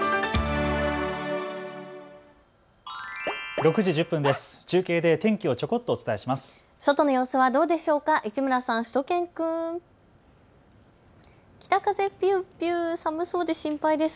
６時１０分です。